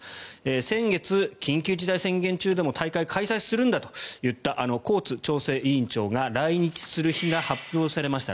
先月、緊急事態宣言中でも大会を開催するんだと言ったコーツ調整委員長が来日する日が発表されました。